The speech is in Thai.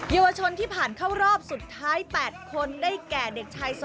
เยาวชนที่ผ่านเข้ารอบสุดท้าย๘คนได้แก่เด็กชาย๒